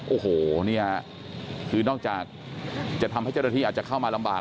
โอ้โหเนี่ยคือนอกจากจะทำให้เจ้าหน้าที่อาจจะเข้ามาลำบาก